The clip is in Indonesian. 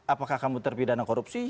apakah kamu terpidana korupsi